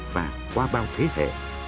và qua bao thế hệ